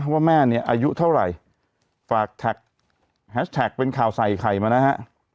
ว่าแม่เนี่ยอายุเท่าไหร่ฝากแฮชแท็กเป็นข่าวใส่ไข่มานะฮะ